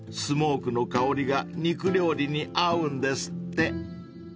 ［スモークの香りが肉料理に合うんですって］